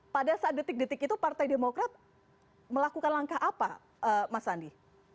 pada saat detik detik itu partai demokrat melakukan langkah apa mas andi